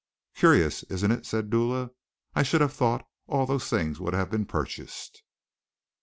"Curious, isn't it," said Dula. "I should have thought all those things would have been purchased.